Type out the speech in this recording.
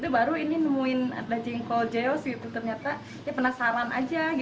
baru ini nemuin jengkol jeos ternyata penasaran saja